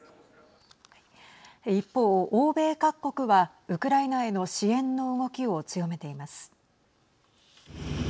一方、欧米各国はウクライナへの支援の動きを強めています。